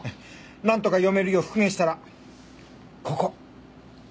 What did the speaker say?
なんとか読めるよう復元したらここ！